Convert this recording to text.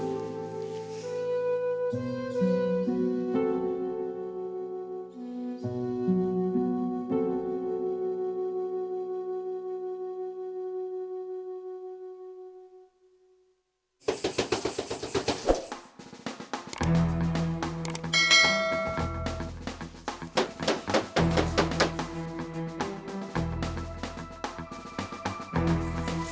dan berikanlah bapak surgamu